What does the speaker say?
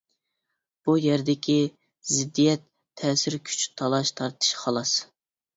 بۇ يەردىكى زىددىيەت-تەسىر كۈچ تالاش-تارتىشى خالاس.